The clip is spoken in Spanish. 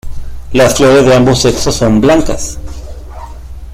Las flores de ambos sexos son blancas.